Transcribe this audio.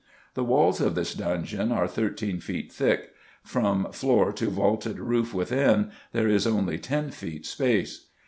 The walls of this dungeon are thirteen feet thick; from floor to vaulted roof, within, there is only ten feet space.